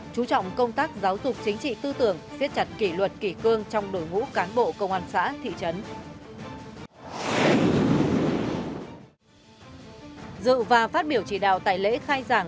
chú trọng công tác giáo dục chính trị tư tưởng siết chặt kỷ luật kỷ cương trong đội ngũ cán bộ công an xã thị trấn